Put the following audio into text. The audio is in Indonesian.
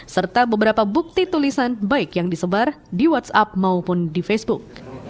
serta beberapa bukti tulisan baik yang disebar di whatsapp maupun di facebook